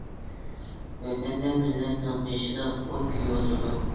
ۋەتەندە مىللەتنىڭ بېشىدا ئۆت كۆيۈۋاتىدۇ.